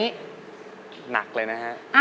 ใช่ครับหนักเลยนะฮะ